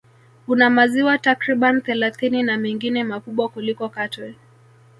Una maziwa takriban thelathini na mengine makubwa kuliko Katwe